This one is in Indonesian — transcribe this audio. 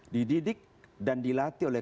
dididik dan dilatih oleh